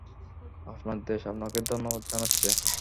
আপনার দেশ আপনাকে ধন্যবাদ জানাচ্ছে!